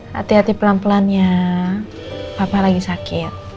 hati hati pelan pelan ya papa lagi sakit